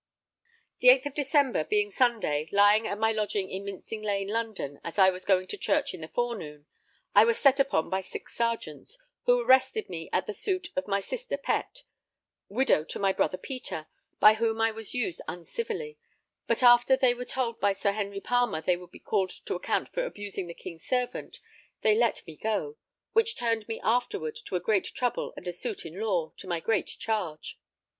The 8th of December, being Sunday, lying at my lodging in Mincing Lane, London, as I was going to church in the forenoon, I was set upon by six sergeants, who arrested me at the suit of my sister Pett, widow to my brother Peter; by whom I was used uncivilly, but after they were told by Sir Henry Palmer they would be called to account for abusing the King's servant they let me go; which turned me afterward to a great trouble and suit in law, to my great charge.